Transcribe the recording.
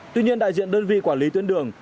tuy nhiên đại diện đơn vị quản lý tuyến đường